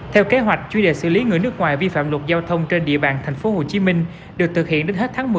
theo kế hoạch chuyên đề xử lý người nước ngoài vi phạm luật giao thông trên địa bàn thành phố hồ chí minh được thực hiện đến hết tháng một mươi